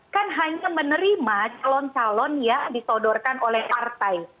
kan hanya menerima calon calon yang disodorkan oleh partai